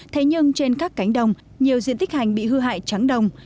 thế nhưng trên các cánh đồng nhiều diện tích hành bị hư hại trắng đồng